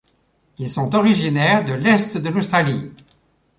Ils sont originaires de l'est de l'Australie.